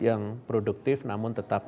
yang produktif namun tetap